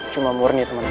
cuma murni temenin aja